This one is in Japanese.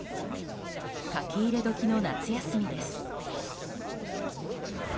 書き入れ時の夏休みです。